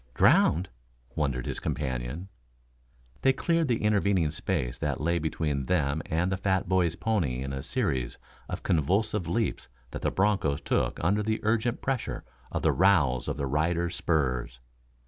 "Drowned?" wondered his companion. They cleared the intervening space that lay between them and the fat boy's pony in a series of convulsive leaps that the bronchos took under the urgent pressure of the rowels of their riders' spurs.